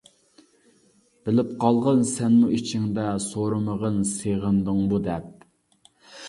بىلىپ قالغىن سەنمۇ ئىچىڭدە، سورىمىغىن سېغىندىڭمۇ دەپ.